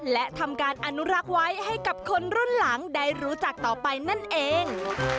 และทำการอนุรักษ์ไว้ให้กับคนรุ่นหลังได้รู้จักต่อไปนั่นเอง